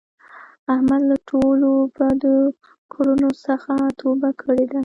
احمد له ټولو بدو کړونو څخه توبه کړې ده.